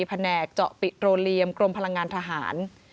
แผนกเจาะปิดโรเลียมกรมพลังงานทหาร